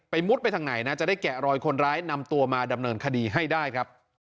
มุดไปทางไหนนะจะได้แกะรอยคนร้ายนำตัวมาดำเนินคดีให้ได้ครับ